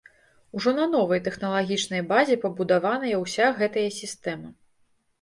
Ужо на новай тэхналагічнай базе пабудаваная ўся гэтая сістэма.